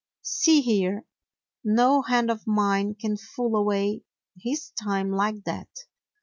"See here, no hand of mine can fool away his time like that.